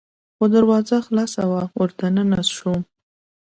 خو دروازه خلاصه وه، ور دننه شوم.